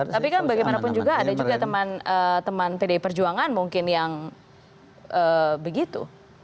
tapi kan bagaimanapun juga ada juga teman teman pdi perjuangan mungkin yang begitu